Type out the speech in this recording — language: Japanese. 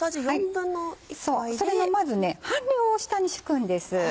それのまず半量を下に敷くんです。